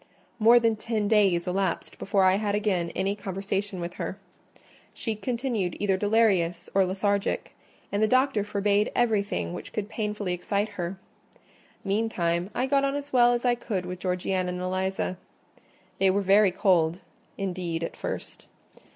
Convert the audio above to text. More than ten days elapsed before I had again any conversation with her. She continued either delirious or lethargic; and the doctor forbade everything which could painfully excite her. Meantime, I got on as well as I could with Georgiana and Eliza. They were very cold, indeed, at first.